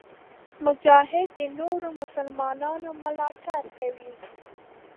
مجاهد د نورو مسلمانانو ملاتړ کوي.